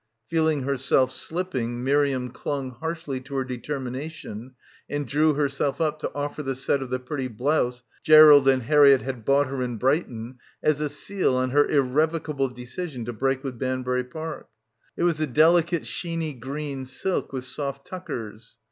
Feeling herself slipping, Miriam clung harshly to her determination and drew herself up to offer the set of the pretty blouse Gerald and Harriett had bought her in Brighton as a seal on her irrevocable decision to break with Banbury Park. It was a delicate sheeny green silk, with soft tuckers.